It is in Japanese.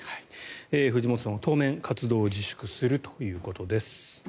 藤本さんは当面活動を自粛するということです。